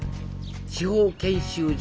司法研修所